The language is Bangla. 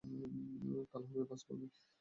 কাল হবে ভাঁজ ভাঙা।